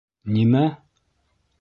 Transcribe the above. — Нимә?!